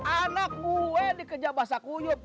anak gue dikejar bahasa kuyuk